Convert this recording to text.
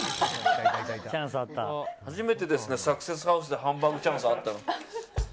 初めてですね、サクセスハウスでハンバーグチャンスあったの。